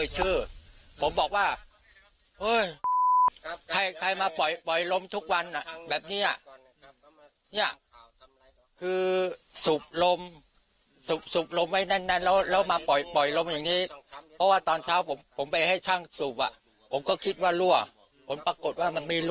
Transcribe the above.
จนเลือดอาบนี่แหละค่ะ